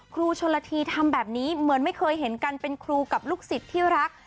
ครูชนละทีทำแบบนี้เหมือนไม่เคยเห็นกันเป็นครูกับลูกศิษย์ที่รัก